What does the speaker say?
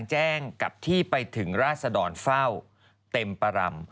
แจ้งกับที่ไปถึงราศดรเฝ้าเต็มประรำ